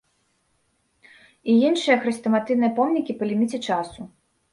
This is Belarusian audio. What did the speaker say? І іншыя хрэстаматыйныя помнікі па ліміце часу.